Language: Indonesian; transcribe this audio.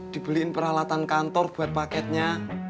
dibeliin peralatan kantor buat paketnya